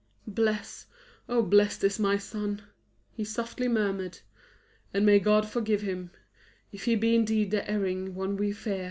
"Bless, oh bless this my son!" he softly murmured. "And may God forgive him, if he be indeed the erring one we fear!"